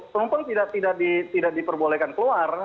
penumpang tidak diperbolehkan keluar